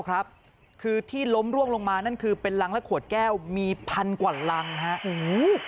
คือที่ล้มร่วงลงมานั่นคือเป็นรังและขวดแก้วมีพันกว่ารังครับ